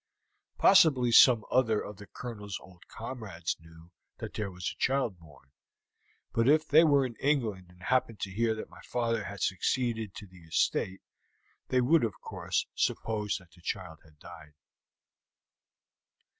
Possibly some other of the Colonel's old comrades knew that there was a child born; but if they were in England and happened to hear that my father had succeeded to the estate, they would, of course, suppose that the child had died."